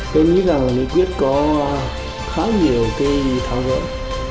tôi nghĩ rằng nghị quyết có khá nhiều thảo luận